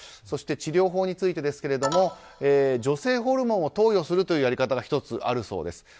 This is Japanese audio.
そして治療法についてですが女性ホルモンを投与するというやり方が１つあるそうです。